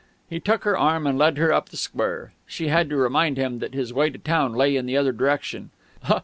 He took her arm and led her up the square. She had to remind him that his way to town lay in the other direction.